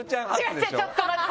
ちょっと待って！